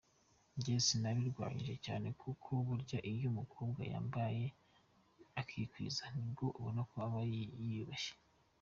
Njye sinabirwanyije cyane kuko burya iyo umukobwa yambaye akikwiza nibwo ubona ko aba yiyubashye”.